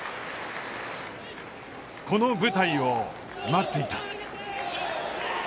この舞台を待っていた。